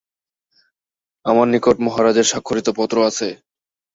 আমার নিকট মহারাজের স্বাক্ষরিত পত্র আছে।